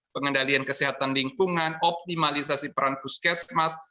pengendalian kesehatan lingkungan optimalisasi peran puskesmas